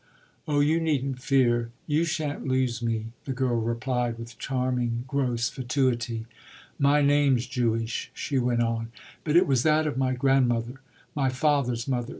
"Oh, you needn't fear; you shan't lose me," the girl replied with charming gross fatuity. "My name's Jewish," she went on, "but it was that of my grandmother, my father's mother.